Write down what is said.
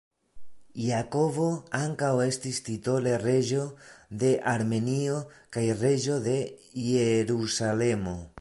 Jakobo ankaŭ estis titole reĝo de Armenio kaj reĝo de Jerusalemo.